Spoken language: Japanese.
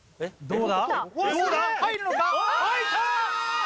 どうだ？